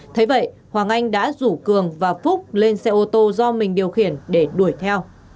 thế vậy hoàng anh đã rủ cường và phúc lên xe ô tô do mình điều khiển để đuổi theo